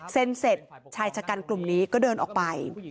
เสร็จชายชะกันกลุ่มนี้ก็เดินออกไป